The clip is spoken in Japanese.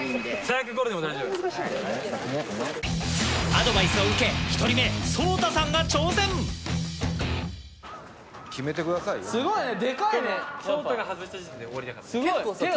アドバイスを受け１人目ＳＯＴＡさんが挑戦すごいね。